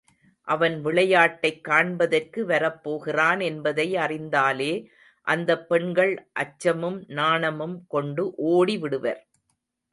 அவன் விளையாட்டைக் காண்பதற்கு வரப் போகிறான் என்பதை அறிந்தாலே அந்தப் பெண்கள் அச்சமும் நாணமும் கொண்டு ஓடிவிடுவர்.